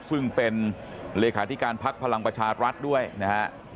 ซึ่งเป็นเลขาธิการพักพลังประชารัฐด้วยนะฮะ